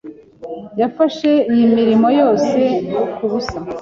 Yafashe iyi mirimo yose kubusa.